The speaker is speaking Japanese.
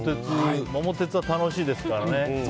「桃鉄」は楽しいですからね。